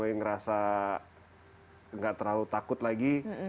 mulai merasa tidak terlalu takut lagi